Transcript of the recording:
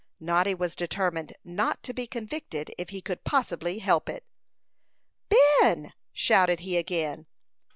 Noddy was determined not to be convicted if he could possibly help it. "Ben!" shouted he again.